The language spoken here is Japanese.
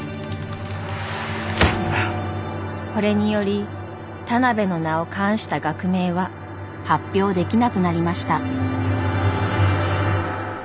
これにより田邊の名を冠した学名は発表できなくなりました。